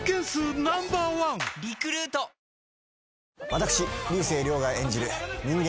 私竜星涼が演じる人間